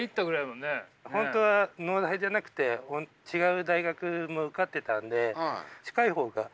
本当は農大じゃなくて違う大学も受かってたんで近い方が。